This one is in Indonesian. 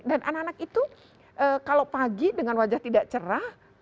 dan anak anak itu kalau pagi dengan wajah tidak cerah